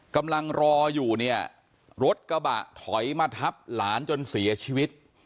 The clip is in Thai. กำลังรออยู่เนี่ยรถกระบะถอยมาทับหลานจนเสียชีวิต